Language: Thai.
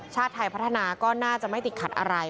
ชาติไทยพัฒนาก็น่าจะไม่ติดขัดอะไร